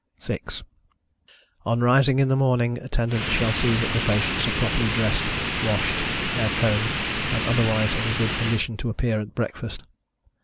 6. On rising in the morning, Attendants shall see that the patients are properly dressed, washed, hair combed, and otherwise in good condition to appear at breakfast.